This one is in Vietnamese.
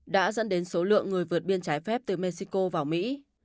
đã dẫn đến số lượng người vượt biên trái phép từ mexico vào mỹ